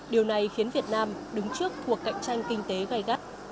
điều này khiến việt nam đứng trước cuộc cạnh tranh kinh tế gai gắt